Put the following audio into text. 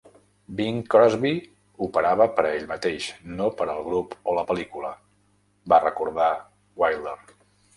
"Bing Crosby operava per a ell mateix, no per al grup o la pel·lícula", va recordar Wilder.